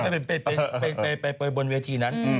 ไปบนเวทีนั้น